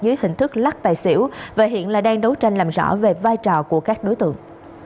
dưới hình thức lắc tài xỉu và hiện là đang đấu tranh làm rõ về vai trò của các đối tượng